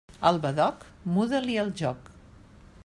Al badoc, muda-li el joc.